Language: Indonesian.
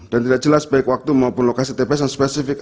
dan tidak jelas baik waktu maupun lokasi tps yang spesifik